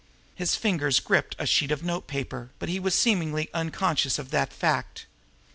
His fingers gripped a sheet of notepaper but he was seemingly unconscious of that fact.